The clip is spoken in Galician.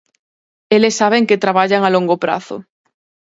Eles saben que traballan a longo prazo.